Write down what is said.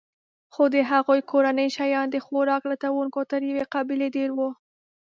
خو د هغوی کورنۍ شیان د خوراک لټونکو تر یوې قبیلې ډېر وو.